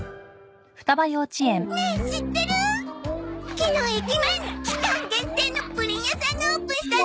昨日駅前に期間限定のプリン屋さんがオープンしたの。